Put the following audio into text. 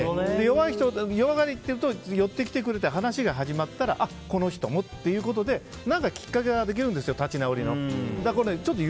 弱がっていると寄ってきて話が始まったらこの人もっていうことできっかけができるんです立ち直りの。